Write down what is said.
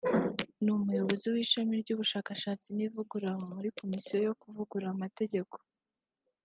ni Umuyobozi w’Ishami ry’Ubushakashatsi n’Ivugurura muri Komisiyo yo Kuvugurura Amategeko;